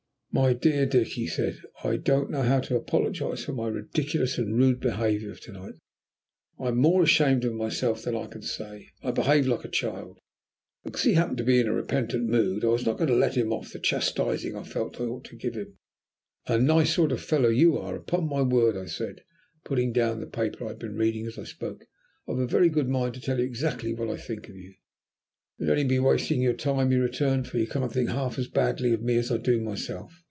"My dear Dick," he said, "I don't know how to apologize for my ridiculous and rude behaviour of to night. I am more ashamed of myself than I can say. I behaved like a child." Because he happened to be in a repentant mood I was not going to let him off the chastising I felt that I ought to give him. "A nice sort of young fellow you are, upon my word," I said, putting down the paper I had been reading as I spoke. "I've a very good mind to tell you exactly what I think of you." "It would be only wasting your time," he returned. "For you can't think half as badly of me as I do of myself.